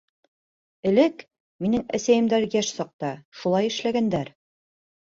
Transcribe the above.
— Элек, минең әсәйемдәр йәш саҡта, шулай эшләгәндәр.